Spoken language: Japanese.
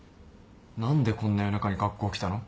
何でこんな夜中に学校来たの？